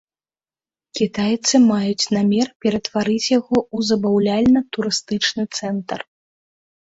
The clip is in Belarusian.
Кітайцы маюць намер ператварыць яго ў забаўляльна-турыстычны цэнтр.